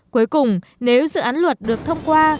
cuối cùng nếu dự án luật được thông qua